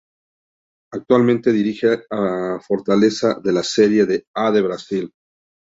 Actualmente dirige a Fortaleza de la Serie A de Brasil.